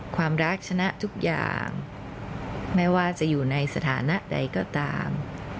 ความรักชนะทุกอย่างไม่ว่าจะอยู่ในสถานะใดก็ตาม